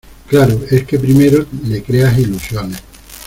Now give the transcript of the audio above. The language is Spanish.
claro, es que primero le creas ilusiones